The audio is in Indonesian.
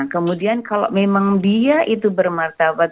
kemudian kalau memang dia itu bermartabat